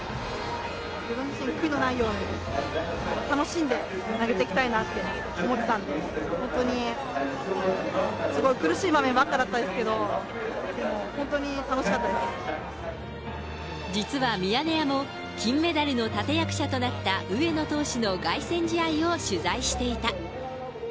自分自身、悔いのないように楽しんで投げていきたいなって思ってたので、本当にすごい苦しい場面ばっかりだったんですけど、でも本当に楽実はミヤネ屋も、金メダルの立て役者となった上野投手の凱旋試合を取材していた。